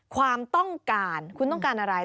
ความต้องการคุณต้องการอะไร